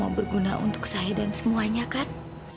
tante tidak mengambil masalah